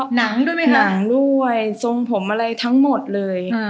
หนังด้วยไหมหนังด้วยทรงผมอะไรทั้งหมดเลย